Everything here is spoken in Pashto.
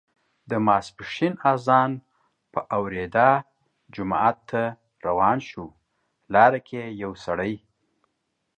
د ماسپښین اذان په اوریدا جومات ته روان شو، لاره کې یې یو سړی